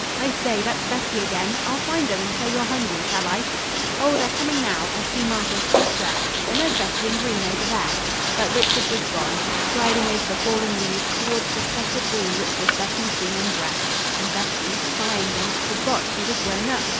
I say! That's Betty again! I'll find them and say you're hungry, shall I?" "Oh, they're coming now. I see Martha's pink dress, and there's Betty in green over there." But Richard was gone, striding over the fallen leaves toward the spot of green which was Betty's gingham dress. And Betty, spying him, forgot she was grown up.